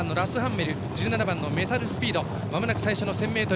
１７番メタルスピードまもなく最初の１０００ｍ。